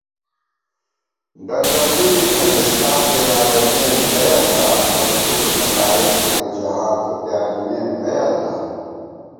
ڈل تہ تُو می تھنَئیس آں تو یادَمېم اے اللہ * تونی حُکُمےقائیم تھنہ جہان، تو پیانِمېم اےاللہ